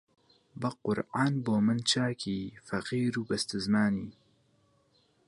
بە قورئان بۆ من چاکی فەقیر و بەستەزمانی